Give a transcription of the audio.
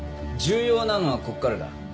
重要なのはここからだ。